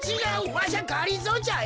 わしゃがりぞーじゃよ。